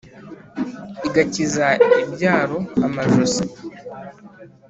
igakiza ibyaro amajosi.